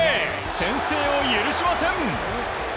先制を許しません。